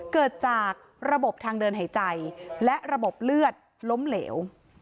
เกิดจากระบบทางเดินหายใจและระบบเลือดล้มเหลว